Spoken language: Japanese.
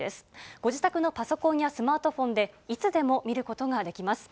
ご自宅のパソコンやスマートフォンで、いつでも見ることができます。